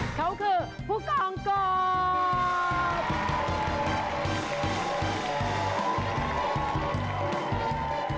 เขาคือพุกองกอบ